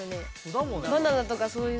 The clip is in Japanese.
バナナとかそういう。